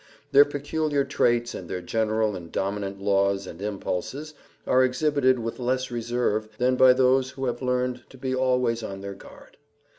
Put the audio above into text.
Their peculiar traits and their general and dominant laws and impulses are exhibited with less reserve than by those who have learned to be always on their guard.